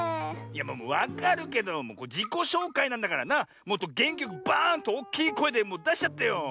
わかるけどじこしょうかいなんだからなもっとげんきよくバーンとおっきいこえでだしちゃってよ。